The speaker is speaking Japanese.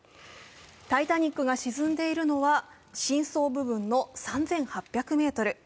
「タイタニック」が沈んでいるのは深層部分の３８００ｍ。